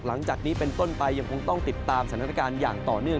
หลังจากนี้เป็นต้นไปยังคงต้องติดตามสถานการณ์อย่างต่อเนื่อง